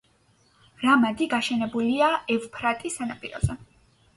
რამადი გაშენებულია ევფრატის სანაპიროზე.